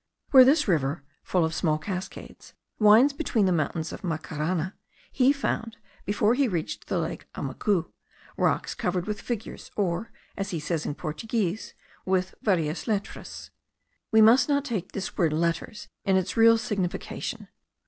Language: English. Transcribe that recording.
Where this river, full of small cascades, winds between the mountains of Macarana, he found, before he reached lake Amucu, rocks covered with figures, or (as he says in Portuguese) with varias letras. We must not take this word letters in its real signification.